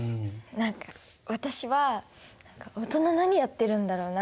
何か私は大人何やってるんだろうなって。